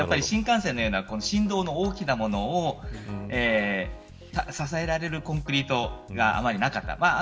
新幹線のような震動の大きなものを支えられるコンクリートがまだあまりなかった。